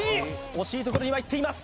惜しいところにはいっています